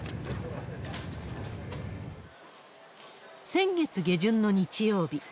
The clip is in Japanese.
先月下旬の日曜日。